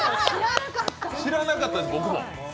知らなかったです、僕も。